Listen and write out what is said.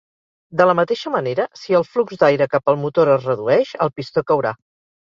De la mateixa manera, si el flux d'aire cap al motor es redueix, el pistó caurà.